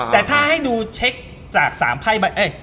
แต่ถ้าให้ดูเช็คจาก๓ไพ่ใบ